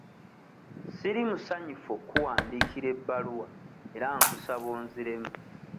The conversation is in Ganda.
Siri musanyufu okkuwandiikira ebbaluwa era nkusaba onziremu.